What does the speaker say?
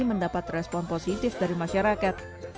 mendapat respon positif dari masyarakat